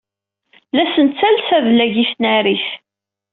La as-nettales adlag i tnarit.